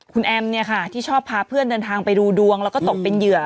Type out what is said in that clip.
คุณแอมเนี่ยค่ะที่ชอบพาเพื่อนเดินทางไปดูดวงแล้วก็ตกเป็นเหยื่อ